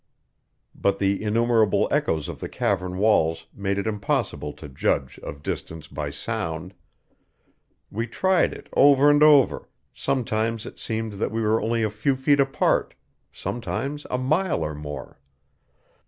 But the innumerable echoes of the cavern walls made it impossible to judge of distance by sound. We tried it over and over; sometimes it seemed that we were only a few feet apart, sometimes a mile or more.